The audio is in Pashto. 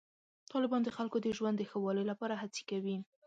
طالبان د خلکو د ژوند د ښه والي لپاره هڅې کوي.